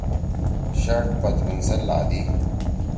شرٹ پتلُون سیت لھادی۔